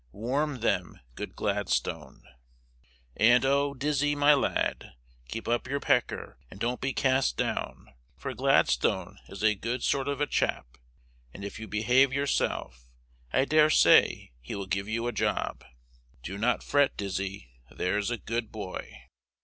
Warm them, good Gladstone. And, oh, Dizzy, my lad, keep up your pecker, and don't be cast down, for Gladstone is a good sort of a chap, and if you behave yourself, I dare say he will give you a job. Do not fret, Dizzy, there's a good boy.